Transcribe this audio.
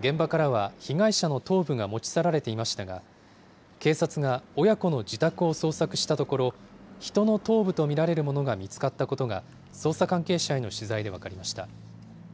現場からは被害者の頭部が持ち去られていましたが、警察が親子の自宅を捜索したところ、人の頭部と見られるものが見つかったことが、捜査関係者への取材で分かりました。